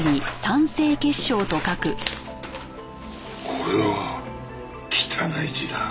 これは汚い字だ。